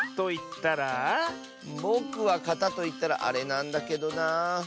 ぼくは「かた」といったらあれなんだけどなあ。